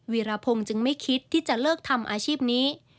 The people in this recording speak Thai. ีรพงศ์จึงไม่คิดที่จะเลิกทำอาชีพนี้